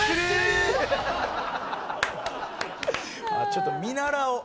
ちょっと見習おう。